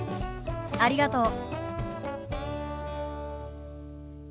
ありがとう。